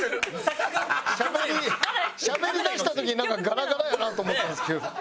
しゃべりしゃべりだした時になんかガラガラやなと思ったんですけど。